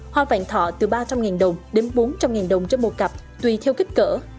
hoa vàng thọ từ ba trăm linh đồng đến bốn trăm linh đồng trên một cặp tùy theo kích cỡ